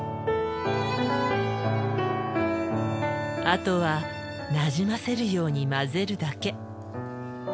あとはなじませるように混ぜるだけ。